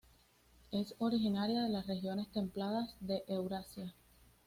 Es originaria de las regiones templadas de Eurasia.